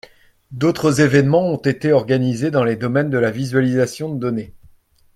D'autres événements ont été organisés dans les domaines de la visualisation de données.